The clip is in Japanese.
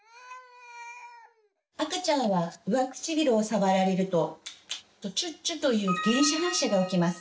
赤ちゃんは上唇を触られるとチュッチュという「原始反射」が起きます。